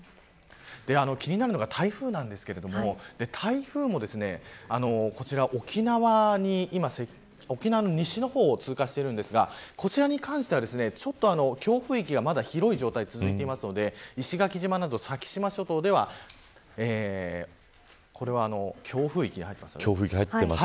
気になるのが台風ですが台風も、こちら沖縄の西の方を通過していますがこちらに関しては、強風域がまだ広い状態が続いているので石垣島など先島諸島では強風域に入っていますよね。